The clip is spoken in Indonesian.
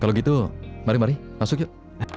kalau gitu mari mari masuk yuk